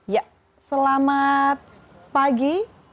ya selamat pagi